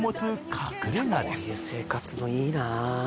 こういう生活もいいなぁ。